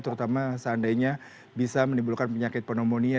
terutama seandainya bisa menimbulkan penyakit pneumonia